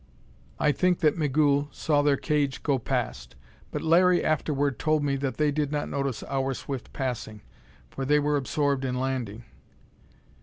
I think that Migul saw their cage go past; but Larry afterward told me that they did not notice our swift passing, for they were absorbed in landing.